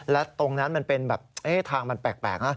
และตรงนั้นมันเป็นแบบทางมันแปลกนะ